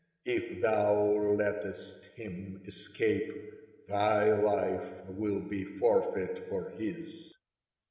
If thou lettest him escape, thy life will be forfeit for his."